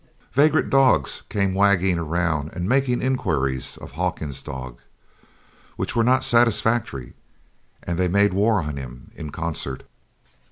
Vagrant dogs came wagging around and making inquiries of Hawkins's dog, which were not satisfactory and they made war on him in concert.